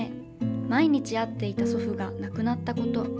毎日会っていた祖父が亡くなったこと。